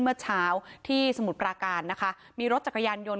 เมื่อเช้าที่สมุทรปราการนะคะมีรถจักรยานยนต